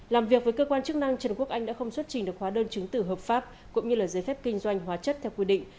làm việc với cơ quan chức năng trần quốc anh đã không xuất trình được hóa đơn chứng tử hợp pháp cũng như giấy phép kinh doanh hóa chất theo quy định